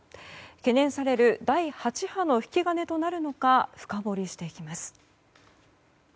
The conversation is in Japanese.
懸念される第８波の引き金となるのか深掘りしていきます。